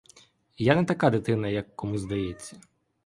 Я не така дитина, як кому здається.